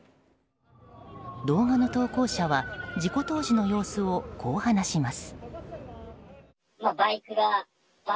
動画の投稿者は事故当時の様子をこう話します。